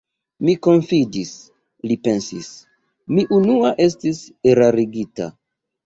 Mi konfidis, li pensis: mi unua estis erarigita.